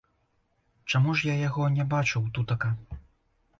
Чаму ж я яго не бачыў тутака?